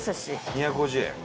２５０円。